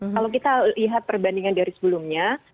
kalau kita lihat perbandingan dari sebelumnya